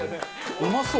うまそう！